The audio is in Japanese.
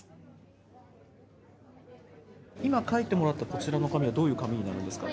今書いてもらったこちらの紙は、どういう紙になるんですか？